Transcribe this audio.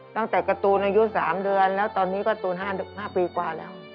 ตั้งแต่การ์ตูนอายุ๓เดือนแล้วตอนนี้ก็ตูน๕ปีกว่าแล้ว